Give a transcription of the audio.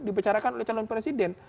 dibicarakan oleh calon presiden